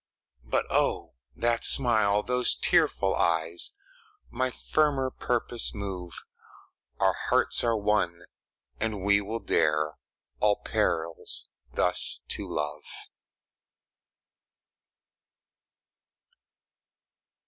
But oh, that smile those tearful eyes, My firmer purpose move Our hearts are one, and we will dare All perils thus to love!